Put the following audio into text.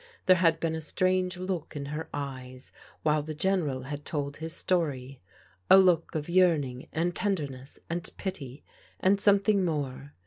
There had been a strange look in her eyes, while the General had told his story: a look of yearning and tenderness, and pity, and something more.